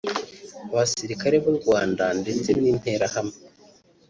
Abasirikare b’u Rwanda ndetse n’Interahamwe